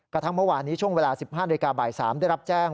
กระทั่งเมื่อวานนี้ช่วงเวลา๑๕นาฬิกาบ่าย๓ได้รับแจ้ง